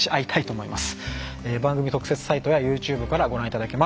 番組特設サイトやＹｏｕＴｕｂｅからご覧いただけます。